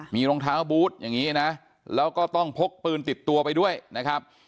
มีรองเท้าบูธอย่างนี้นะแล้วก็ต้องพกปืนติดตัวไปด้วยนะครับ